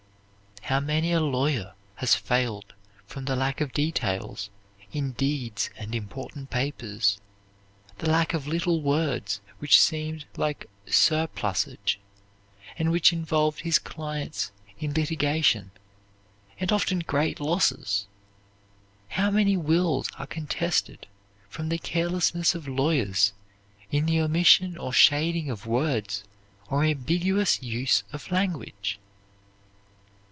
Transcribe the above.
How many a lawyer has failed from the lack of details in deeds and important papers, the lack of little words which seemed like surplusage, and which involved his clients in litigation, and often great losses! How many wills are contested from the carelessness of lawyers in the omission or shading of words, or ambiguous use of language!